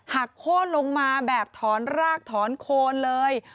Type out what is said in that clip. โค้นลงมาแบบถอนรากถอนโคนเลย